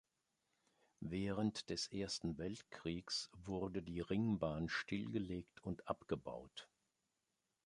Während des Ersten Weltkriegs wurde die Ringbahn stillgelegt und abgebaut.